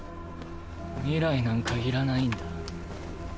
未来なんか要らないんだ。